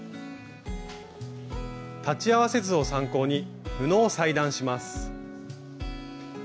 裁ち合わせ図を参考に布を裁断します。